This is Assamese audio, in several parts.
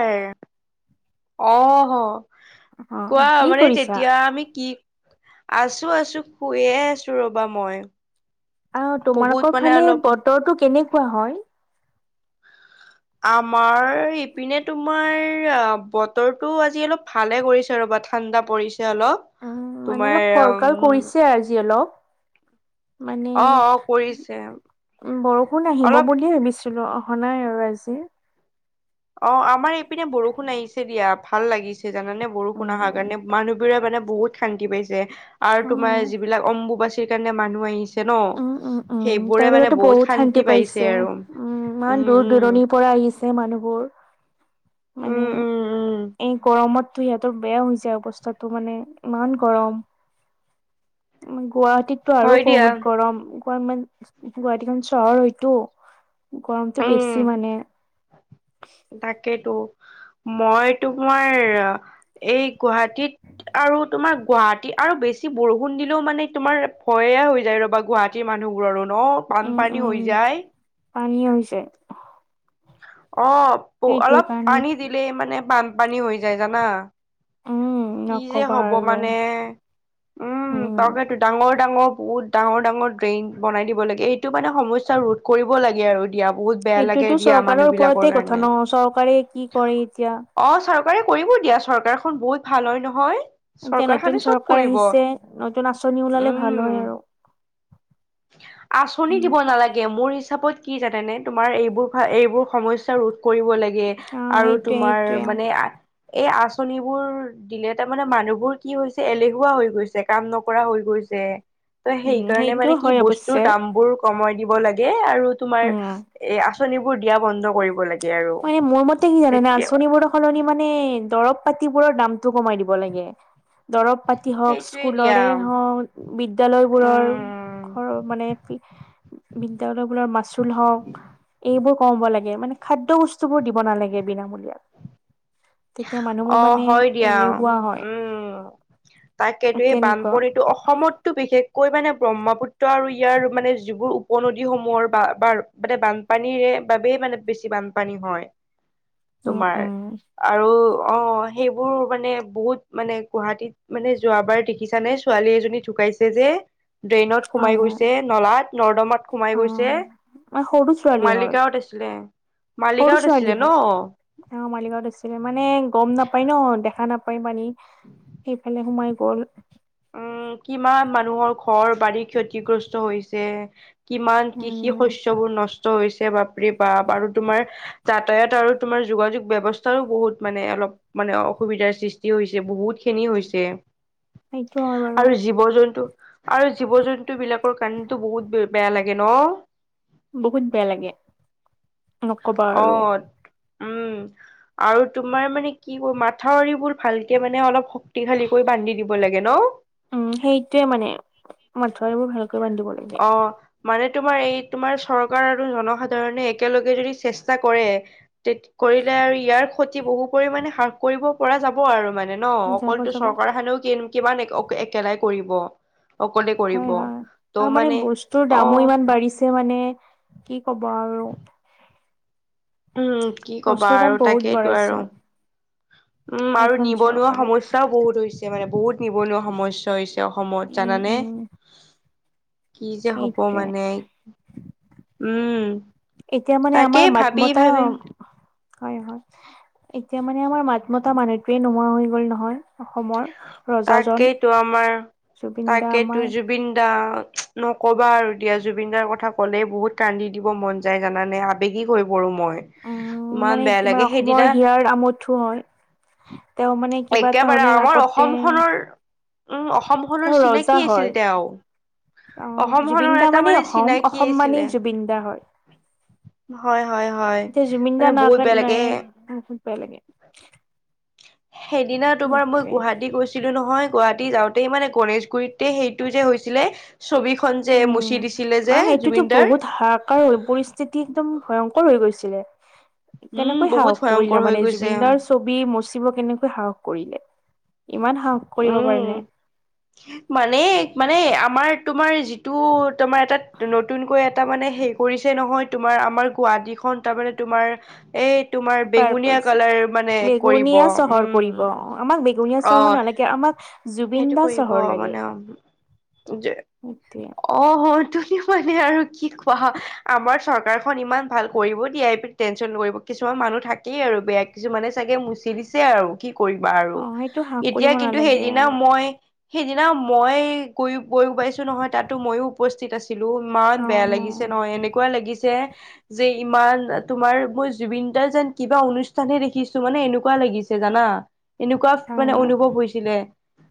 অ অ‌‌হ হ কোৱা কি মানে কৰিছা তেতিয়া আমি কি আছো আছো শুয়ে আছো ৰবা মই। আহ বহুত তোমালোকৰ মানে ফালে অলপ বতৰটো কেনেকুৱা হয়? আমাৰ ইপিনে তোমাৰ সেয়া বতৰটো আজি অলপ ভালে কৰিছে ৰব ঠাণ্ডা পৰিছে। অলপ উ মানে তোমাৰ অলপ উম ফৰকাল কৰিছে আজি অলপ। মানে অ অ কৰিছে উ বৰষুণ আহিব অলপ বুলিয়ে ভাবিছ [unintelligible] বোলো অহা নাই আৰু আজি। অ আমাৰ এইপিনে বৰষুণ আহিছে দিয়া। ভাল লাগিছে জানানে বৰষুণ অহাৰ উম কাৰণে মানুহবোৰে মানে বহুত শান্তি পাইছে। আৰু তোমাৰ যিবিলাক অম্বুবাচি সেই কাৰণে মানুহ আহিছে। ন উম উম উম তেওঁলোকেতো বহুত শান্তি পাইছে উম ইমান দূৰ দূৰণিৰ পৰা আহিছে মানুহবোৰ। মানে উম উম উম এই গৰমত টো ইহঁতৰ বেয়া হৈ যায়, অৱস্থাতটো মানে ইমান গৰম। [unintelligible] গুৱাহাটীতো আৰু হয় দিয়া বহুত। গুৱাহাটীখন চহৰ হয়তটো। গৰমটো উম বেছি মানে। তাকেইতো মই তোমাৰ, এই গুৱাহাটীত আৰু তোমাৰ গুৱাহাটী আৰু বেছি বৰষুণ দিলেও মানে, তোমাৰ ভয়ে হৈ যায় ৰ'বা গুৱাহাটীৰ মানুহবোৰৰো। ন'! উম বানপানী উম হৈ যায়। পানী হৈছে। অ'! অলপ পানী দিলে মানে, বান পানী হৈ যায় জানা। উম কি যে নকবা হ'ব আৰু মানে, উম! তাকেটো ডাঙৰ ডাঙৰ বহুত, ডাঙৰ, ডাঙৰ ড্ৰেইন বনাই দিব লাগে। এইটো মানে সমস্যা ৰোধ কৰিব লাগে আৰু। দিয়া বহুত বেয়া লাগে সেইটোতো দিয়া মানুহ চৰকাৰৰ বিলাকৰ ওপৰতে কথা কাৰণে ন'! চৰকাৰে কি কৰে এতিয়া। অ চৰকাৰে কৰিব দিয়া। চৰকাৰখন বহুত ভাল হয় নহয়। এতিয়া চৰকাৰ নতুন খনে চব চৰকাৰ কৰিব, আহিছে নতুন আঁচনি ওলালে ভাল হয় আৰু উম! আঁচনি দিব সেনেকুৱা নালাগে মোৰ [unintelligible] কি জানেনেে? তোমাৰ এইবোৰ, এইবোৰ সমস্যা ৰোধ কৰিব লাগে। অ আৰু সেইটোয়ে তোমাৰ সেইটোয়ে মানে, এই আঁচনিবোৰ দিলে তাৰমানে মানুহবোৰ কি হৈছে, এলেহুৱা হৈ গৈছে কাম নকৰা হৈ গৈছে। ত' উম সেইকাৰণে সেইটো মানে, কি হয় বস্তুৰ অৱশ্যে দাম বোৰ সময় দিব লাগে। আৰু তোমাৰ উম এ, আ আঁচনিবোৰ দিয়া বন্ধ কৰিব লাগে। আৰু মোৰ মতে কি জানেনে, তেতিয়া আঁচনিবোৰ সলনি মানে, দৰৱ পাতিবোৰৰ দামতটো কমাই দিব লাগে। দৰব পাতি হওঁক, সেইটোৱে দিয়া স্কুলৰে হওঁক বিদ্যালয়বোৰৰ উম মানে বিদ্যালয় বোলাৰ মা হওঁক এইবোৰ ক'ব লাগে মানে, খা খাদ্য বস্তুবোৰ দিব নালাগে বিনামূলীয়া তেতিয়া মানুহবোৰ অ'! মানে হয় দিয়। এলেহুৱা হয় উম! তাকেতো এই তেনেকুৱা বানপনীটো অসমতো বিশেষ কৈ মানে, ব্ৰহ্মপুত্ৰ আৰু ইয়াৰ মানে, যিবোৰ উপনদীসমূহৰ বা বা মানে, বানপানীৰে বাবেই মানে, বেছি বানপানী হয়। উম! তোমাৰ উম! আৰু অ'! সেইবোৰ মানে, বহুত মানে, গুৱাহাটীত মানে, যোৱাবাৰ দেখিছা নে! ছোৱালী এজনী ঢুকাইছে যে। ড্ৰেইনত হয় সোমাই হয় গৈছে নলাত, নৰ্দমাত সোমাই অ গৈছে। মই সৰু ছোৱালী হয় মালিগাঁৱত আছিলে, সৰু মালিগাঁৱত ছোৱালী আছিলে হয়। ন'! তেওঁ মালিগাঁৱত মানে, গম নাপায় ন'। দেখ দেখা নাপায় মানে, সেইফালে সোমাই গ'ল। উম কিমান মানুহৰ ঘৰ বাৰী ক্ষতিগ্ৰস্ত হৈছে। কিমান কৃষি উম শস্যবোৰ নষ্ট হৈছে বাপৰে বাপ আৰু তোমাৰ যাতায়াত আৰু তোমাৰ যোগাযোগ ব্যৱস্থা বহুত মানে অলপ মানে অসুবিধাৰ সৃষ্টি হৈছে বহুত খিনি হৈছে সেইটো হয় বাৰু আৰু জীৱ জন্তু আৰু জীৱ জন্তু বিলাকৰ কাৰণেটো বহুত ব বেয়া লাগে ন বহুত বেয়া লাগে নকবা অ আৰু উম আৰু তোমাৰ মানে কি ক মাথাউৰিবোৰ ভালকে মানে অলপ শক্তিশালী কৰি বান্ধি দিব লাগে ন উম সেইটোয়ে মানে মথৰিবোৰ ভাল কে বান্ধিব লাগে অ মানে তোমাৰ এই তোমাৰ চৰকাৰ আৰু জনসাধাৰণে একেলগে যদি চেষ্টা কৰে কৰিলে আৰু ইয়াৰ ক্ষতি বহু পৰিমানে হ্ৰাস কৰিব পৰা যাব আৰু মানে ন যাব অকলটো যাব চৰকাৰ খানেও কি কিমান অক একেলাই কৰিব অকলে কৰিব হয় হয় আৰু মানে বস্তুৰ অ দামো ইমান বাঢ়িছে মানে মানে কি ক'ব আৰু উম কি ক'বা বস্তুৰ দাম আৰু বহুত তাকেইতো বঢ়াইছে আৰু উম আৰু এইখন নিবনুৱা চৰকাৰে সমস্যাও বহুত হৈছে মানে বহুত নিবনুৱা সমস্যা হৈছে অসমত উম জানানে উম কি যে হ'ব সেইটোৱে মানে উম এতিয়া মানে আমাৰ তাকেই ভাবি মাতমতা ভাবি হয় হয় এতিয়া মানে আমাৰ মাত মতা মানুহটোয়ে নোহোৱা হৈ গল নহয় অসমৰ ৰজাজন তাকেইতো আমাৰ জুবিন দা তাকেই আমাৰ তো জুবিন দা নকবা আৰু দিয়া জুবিনদাৰ কথা ক'লেই বহুত কান্দি দিব মন যায় জানে আবেগিক হৈ পৰো মই উম ইমান মানে বেয়া তোমাৰ লাগে অসমৰ সেইদিনা হিয়াৰ আমঠু হয় তেওঁ মানে কিবা এটা একেবাৰে হ'লে আমাৰ আগতে অসমখনৰ উম অসমখনৰ তেওঁ ৰজা চিনাকি আছিল হয়। তেঁও আহ জুবিন অসমখনৰ দা এটা মানেই মানে অসম চিনাকি অসম মানেই আছিলে জুবিন দা হয়। হয় হয় হয় এতিয়া জুবিন দা মানে নাই বহুত কাৰণ বেয়া নাই লাগে বহুত বেয়া লাগে সেইদিনা তোমাৰ মই সেইটোৱে গুৱাহাটী গৈছিলো নহয় গুৱাহাটী যাওঁতেই মানে, গণেশগুৰিততে সেইটো যে হৈছিলে। ছবিখন যে মুচি দিছিলে উম যে আহ এইটোতো জুবিনদাৰ বহুত হাহাকাৰ হৈ পৰিস্থিতি একদম ভয়ংকৰ হৈ গৈছিলে। উম কেনেকৈ বহুত সাহস ভয়ংকৰ কৰিলে হৈ মানে, গৈছে জুবিনদাৰ ছবি মোচিব কেনেকৈ সাহস কৰিলে? ইমান সাহস কৰিব পাৰে নে উম মানে, মানে আমাৰ। তোমাৰ যিটো তোমাৰ এটা নতুনকৈ এটা মানে হে কৰিছে নহয়, তোমাৰ আমাৰ গুৱাহাটীখন তাৰমানে তোমাৰ এই তোমাৰ পাৰ, বেঙুনীয়া কালাৰ মানে কৰিব বেগুনীয়া চহৰ উম কৰিব অ আমাক বেগুনীয়া অ চহৰ নালাগে আমাক জুবিন দা চহৰ লাগে। যে, সেইটোৱে। অ হৈত তু মানে আৰু কি কোৱা, আমাৰ চৰকাৰখন ইমান ভাল কৰিব দিয়াই এ পি টেনচন কৰিব কিছুমান মানুহ থাকেই আৰু বেয়া কিছুমানে চাগে মুচি দিছে আৰু কি কৰিবা আৰু অ সেইটো হ্ৰাস এতিয়া কৰিব কিন্তু নালাগে সেইদিনা আৰু মই সেইদিনা মই কৈ কৰি পাইছো নহয়, তাতো মইয়ো উপস্থ- স্থিত আছি- ছিলো ইমান অ বেয়া লাগিছে নহয় এনেকুৱা লাগিছে যে ইমান, তোমাৰ মই জুবিনদাৰ যেন কিবা অনুষ্ঠানহে দেখিছো মানে এনেকুৱা লাগিছে জানা। এনেকুৱা মানে হয়। অনুভৱ হৈছে।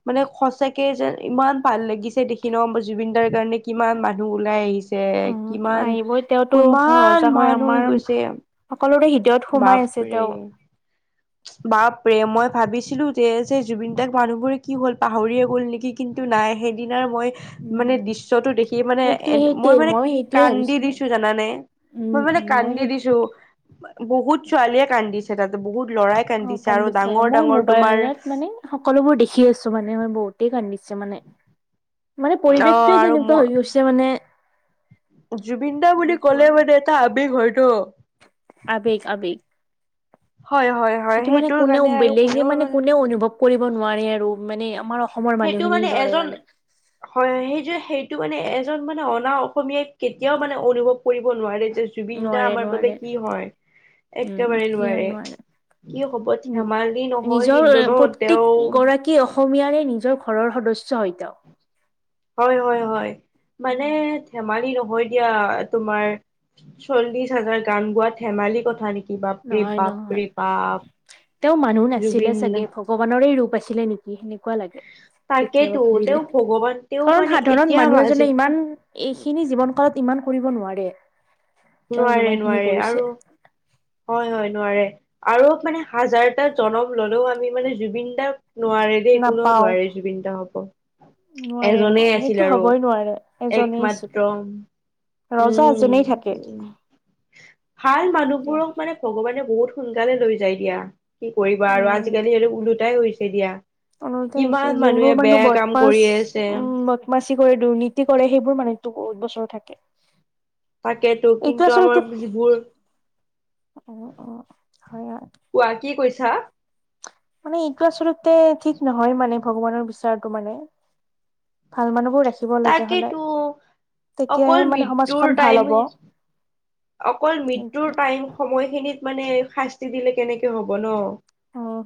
মানে সচাকে যেন ইমান ভাল লাগিছে দেখি ন, জুবিন দাৰ কাৰণে কিমান মানুহ ওলাই আহিছে। যে উম কিমান আহিবই তেওঁতো কিমান ৰজা হয় মানুহ হৈ আমাৰ গৈছে। সকলোৰে হৃদয়ত সোমাই আছে বাপৰে তেওঁ। বাপৰে মই ভাবিছিলো যে যে জুবিনদাক মানুহবোৰে কি হ'ল পাহৰিয়ে গ'ল নেকি কিন্তু নাই সেইদিন মই মানে উম দৃশ্যটো দেখি মানে এ সেইটোৱে মই সেইটোৱে মানে সেইটোৱে কান্দি ভাবিছিলো দিছো জানানে মই উম মানে উম কান্দি সেই দিছো, বহুত ছোৱালীয়ে কান্দিছ- সেইডাল বহুত। ল'ৰাই অ আৰু কান্দিছে, ডাঙৰ মই ডাঙৰ তোমাৰ মোবাইলত মানে সকলোবোৰ দেখি আছো মানে মই বহুতেই কান্দিছে। কিছুমানে। মানে অ পৰিৱেশটোৱে তেনেকুৱা হৈ গৈছে মানে। জুবিনদা বুলি তেনেকুৱা ক'লে আৰু মানে এটা আৱেগ হয়। টো। আবেগ আবেগ হয় হয় হয় সেইটো মানে সেইটোৰ কোনেও কাৰণে আৰু বেলেগে মানে কোনেও অনুভৱ কৰিব নোৱাৰে আৰু মানে আমাৰ অসমৰ সেইটো মানুহখিনিৰ মানে দৰে এজন, হয় সেইটো সেইটো মানে এজন মানে অনা অসমীয়াই কেতিয়াও মানে অনুভৱ কৰিব নোৱাৰে। জুবিন দা নোৱাৰে আমাৰ বাবে নোৱাৰে কি হয় উম, একেবাৰে কিয় নোৱাৰে কি হব উম, ধেমালি নহয় নিজৰ কিন্তু ন প্ৰত্যেক তেওঁ গৰাকী অসমীয়াৰে নিজৰ ঘৰৰ সদস্য হয় ত। হয় হয় হয় মানে উম। ধেমালি নহয় হয় দিয়া তোমাৰ চল্লিশ হাজাৰ গান গোৱা ধেমালি কথা নেকি। বাপৰে নহয় নহয় বাপৰে বাপ তেওঁ মানুহ নাছিলে জুবিন চাগে ভগৱানৰে ৰূপ আছিল। আছিলে নেকি সেনেকুৱা লাগে। তাকেতো কেতিয়াবা তেওঁ ভাবিলে ভগৱান তেওঁ কাৰণ মানে সাধাৰণ এতিয়া মানুহ আজি এজনে ইমান এইখিনি জীৱন কালত ইমান কৰিব নোৱাৰে। তেওঁ নোৱাৰে যিমান খিনি নোৱাৰে কৰিছে। আৰু হয় হয়। নোৱাৰে আৰু মানে হাজাৰটা জনম ললেও আমি মানে জুবিন দাক। নোৱাৰে দেই কোনেও নাপাও, নোৱাৰে জুবিনদা হব। নোৱাৰে এজনেই নোৱাৰে আছিল সেইটো আৰু হবই নোৱাৰে একমাত্ৰ এজনেইছিল ৰজা উম এজনেই থাকে। উম ভাল মানুহবোৰক মানে ভগৱানে। বহুত সোনকালে লৈ যায় দিয়া। কি কৰিবা আৰু আজিকালি হেতো ওলোটাই হৈছে। পেদিয়া। অনতে আছে যিবোৰ মানুহ বদমাছ কৰিয়ে আছে উম বদমাচি কৰে দুৰ্নীতি কৰে সেইবোৰ মানুহতো। বহুত বছৰ থাকে। তাকেতো এইটো কিন্তু আচলতে আমাৰ যিবোৰ উম উম হয় হয় কোৱা কি কৈছা। মানে এইটো আচলতে ঠিক। নহয় মানে ভগৱানৰ বিচৰাটো মানে ভাল মানুহবোৰ ৰা-। ৰাখিব লাগে সদায় তাকেতো অকল তেতিয়াই মানে মৃত্যুৰ সমাজখন ভাল টাইম হ'ব। অকল মৃত্যুৰ উম টাইম সময়খিনি। মানে শাস্তি দিলে কেনেকে হ'ব ন।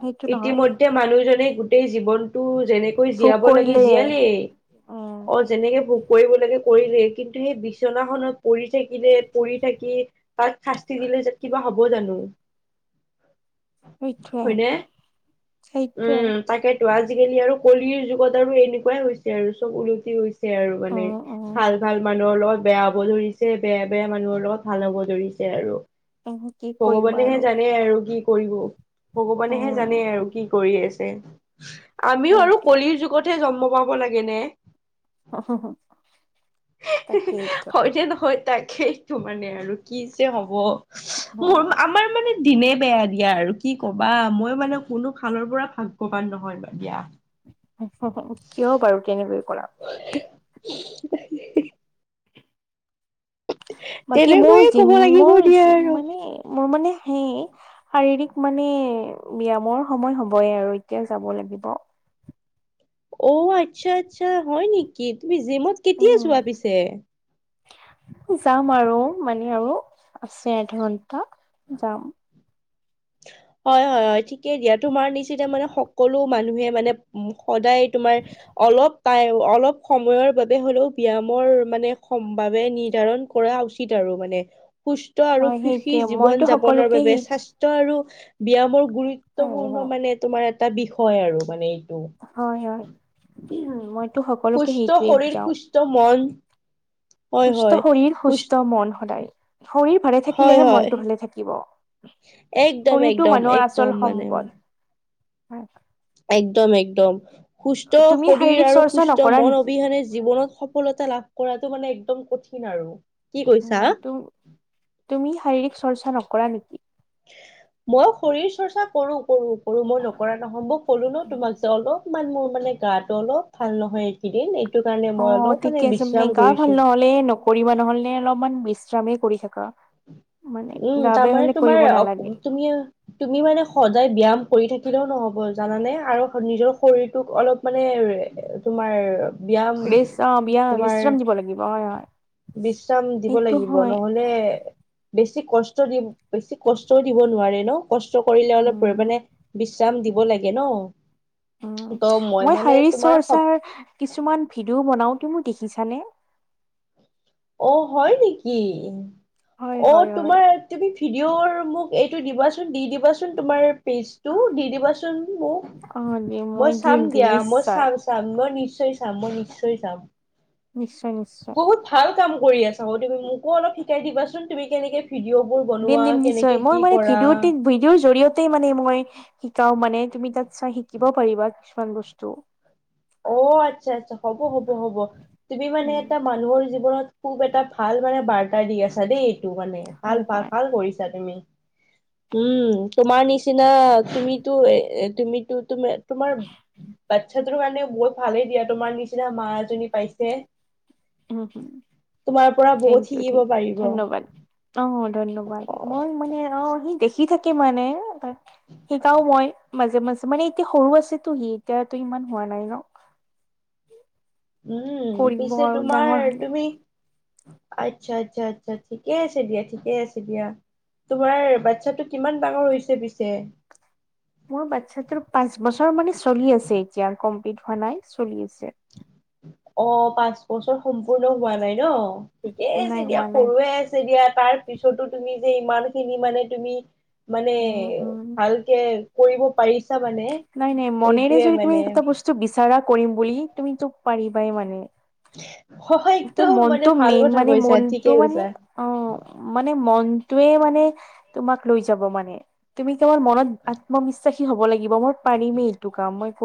সেইটো নহয় ইতিমধ্যে মানুহজনে গোট। গোটেই জীৱনটো। যেনেকৈ ভোগ জীয়াব লাগে কৰিলে জীয়ালেই উম অ যেনেকে ভোক। কৰিব লাগে কৰিলে কিন্তু সেই বিচনাখনত পৰি থাকিলে পৰি থাকি-। লে তাত শাস্তি দিলে যে কিবা হ'ব জানো। সেইটোৱে। হয়নে? সেইটোৱে উম তাকে। ত আজিকালি আৰু কলিৰ যুগত আৰু এনেকুৱাই হৈছে আৰু চব ওলটি হৈছে। আৰু মানে উম উম ভাল ভাল মানুহৰ লগত। বেয়া হ'ব ধৰিছে বেয়া বেয়া মানুহৰ লগত ভাল হ'ব ধৰিছে আৰু। উম কি কৰিবা ভগৱানেহে আৰু জানে আৰু কি কৰিব। ভগৱানেহে জানে উম আৰু কি। কৰিছে আমিও আৰু সেইটোৱে কলিৰ যুগত জন্ম পাব লাগে নে হি হী তাকেইতো হয় যে নহয় তাকেইটো মানে আৰু কি যে হ'ব মোৰ আমাৰ মানে দিনে বেয়া দিয়া আৰু কি কবা মই মানে কোনো ফালৰ পৰা ভাগ্যৱান নহয় নাই দিয়া কিয় বাৰু তেনেকৈ ক'লা হি হি [unintelligible] বাকী মোৰ তেনেকৈয়ে যি ক'ব লাগিব দিয়া আৰু। মোৰযিমানে মোৰ মানে সেই শাৰীৰিক মানে ব্যায়ামৰ সময় হবয় আৰু এতিয়া যাব লাগিব অ আচ্ছা আচ্ছা হয় নেকি তুমি জিমত কেতিয়া যোৱা উম পিছে? যাম আৰু মানে আৰু আছে এঘন্টা যাম হয় হয় হয় ঠিকেই দিয়া তোমাৰ নিচিনা মানে সকলো মানুহে মানে সদায় তোমাৰ অলপ তাই অলপ সময়ৰ বাবে হ'লেও ব্যায়ামৰ মানে সম্ভাৱে নিৰ্ধাৰণ কৰা উচিত আৰু মানে [unintelligible] সুস্থ আৰু হয় সুখী সেইটোৱে জীৱন মইতো যাপনৰ সকলোকে বাবে সেই স্বাস্থ্য আৰু ব্যায়ামৰ হয় গুৰুত্বপূৰ্ণ হয় মানে তোমাৰ এটা বিষয় আৰু মানে হয় হয় মই সুস্থ শৰীৰ সুস্থ মন হয় সুস্থ হয় শৰীৰ সুস্থ মন সদায় শৰীৰ ভালে হয় থাকিলেহে হয় মনটো ভালে থাকিব একদম শৰীৰটো একদম মানুহৰ একদম আচল মানে সম্পদ [unintelligible] হয় [unintelligible] একদম একদম সুস্থ তুমি শৰীৰ শাৰীৰিক আৰু চৰ্চা সুস্থ নকৰা মন নেকি? অবিহনে জীৱনত সফলতা লাভ কৰাটো মানে একদম কঠিন আৰু। কি কৈছা তুমি শাৰীৰিক চৰ্চা নকৰা নেকি? মই শৰীৰ চৰ্চা কৰো কৰো। সৰু মই নকৰা নহম্ব কলো ন তোমাক উম। যে অলপমান মোৰ [unintelligible] মানে গাটো অলপ ভাল নহয় এইকেইদিন কাৰণে অ মই অলপ ঠিকে আছে মানে বিশ্ৰাম গা ভাল কৰিছো নহলে নকৰিবা নহলে অলপমান বেছি শ্ৰামে কৰি থাকা। মানে উম গা বেয়া তাৰমানে হ'লে কৰিব নালাগে। তোমাৰ তুমি, তুমি মানে সদায় ব্যায়াম। কৰি থাকিলেও নহ'ব জানানে আৰু নিজৰ শৰীৰটোক অলপ মানে তোমাৰ ব্যায়াম ৰেচ অ বিয়া তোমাৰ বিশ্ৰাম দিব লাগিব হয়, বিশ্ৰাম দিব হয় সেইটো লাগিব হয়। নহ'লে বেছি কষ্ট দি, বেছি কষ্টও দিব নোৱাৰে ন। কষ্ট কৰিলে অলপ পৰি উম, মানে জাম দিব লাগে ন উম ত' মই মানে শাৰী তোমাৰ সপ চৰ্চাৰ কিছুমান ভিডিঅ' বনাওতে মোক দেখিছানে? অ হয় নেকি। হয়, অ হয়, হয়, তোমাৰ তুমি ভিডিঅ' মোক এইটো দিবাচোন, দি দিবাচোন তোমাৰ। পেজটো দি দিবাচোন মোক অ', দিম মই দিম, চাম দিম দিয়া মই নিশ্চয়, চাম চাম মই নিশ্চয় চাম মই নিশ্চয় চাম। নিশ্চয়, নিশ্চয়। বহুত ভাল কাম কৰি আছা তুমি মোকো অলপ শিকাই দিবাচোন তুমি কেনেকে ভিডিঅ'বোৰ দিম বনোৱা দিম নিশ্চয় কেনেকে কি মই মানে কৰা ভিডিটি, ভিডিঅৰ জৰিয়তে মানে মই শিকাও মানে তুমি তাত চাই শিকিব পাৰিবা কিছুমান বস্তু। অ আচ্ছা, আচ্ছা হ'ব, হ'ব, হ'ব তুমি মানে উম এটা মানুহৰ জীৱনত খুব এটা ভাল মানে বাৰ্তা দি আছা দেই। টো মানে ভাল হয় ভাল হয় ভাল কৰিছা তুমি। উম তোমাৰ নিচিনা তুমিতো এ তুমিতো তুম তোমাৰ বাচ্ছাটোৰ কাৰণে বহুত ভালেই দিয়া তোমাৰ নিচিনা মা এজনী পাইছে। উ তোমাৰ পৰা বহুত থেংক ইউ শিকিব থেং ই পাৰিব। ধন্যবাদ অ ধন্যবাদ মই মানে আহ সি দেখি সি থাকিম মানে। শিকাও মই। মাজে মাজে মানে এতিয়া সৰু আছেতো সি এতিয়াতো ইমান হোৱা নাই ন। উম কৰিব পিছে, আৰু ডাঙৰ তোমাৰ হলে তুমি আচ্ছা আচ্ছা আচ্ছা ঠিকে আছে দিয়া ঠিকে আছে দিয়া তোমাৰ বাচ্ছাটো কিমান ডাঙৰ হৈছে পিছে মোৰ বাচ্ছাটোৰ পাঁচ বিধনাই চলি আছে [unintelligible] অ পাচ বছৰ সম্পূৰ্ণ হোৱা নাই ন ঠিকেইছে নাই এতিয়া হোৱা নাই সৰুৱে আছে এতিয়া [unintelligible] তাৰ পিছতো তুমি যে ইমান খিনি মানে তুমি মানে উম উম ভালকে কৰিব পাৰিছ নাই নাই মনেৰে যদি তুমি এটা বস্তু বিচাৰা কৰিম বুলি তুমিতো পাৰিবাই মানে উ ত মনটো মেইন মানে মনটো ঠিকে মানে কৈছা। অ মানে মন তয়ে মানে তোমাক লৈ যাব মানে তুমি ৱৰ মনত আত্মবিশ্বাস কি হ'ব লাগিব মোৰ পাৰিমেই এইটো কাম মই